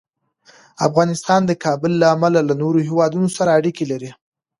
افغانستان د کابل له امله له نورو هېوادونو سره اړیکې لري.